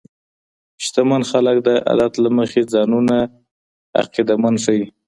شتمن خلګ د عادت له مخې ځانونه عقیده مند ښیي.